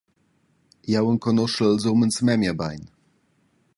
Jeu enconuschel ils umens memia bein.